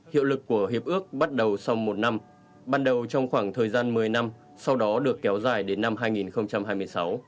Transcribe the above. hiệu lực của hiệp ước bắt đầu sau một năm ban đầu trong khoảng thời gian một mươi năm sau đó được kéo dài đến năm hai nghìn hai mươi sáu